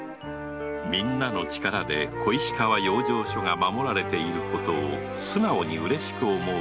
みんなの力で小石川養生所が守られていることを素直にうれしく思う